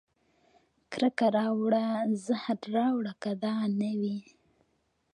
کرکه راوړه زهر راوړه که دا نه وي